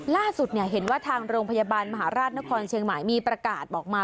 ล่าสุดเห็นว่าทางโรงพยาบาลมหาราชนครเชียงใหม่มีประกาศออกมา